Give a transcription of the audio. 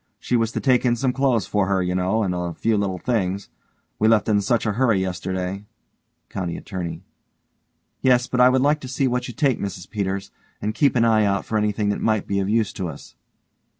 She was to take in some clothes for her, you know, and a few little things. We left in such a hurry yesterday. COUNTY ATTORNEY: Yes, but I would like to see what you take, Mrs Peters, and keep an eye out for anything that might be of use to us.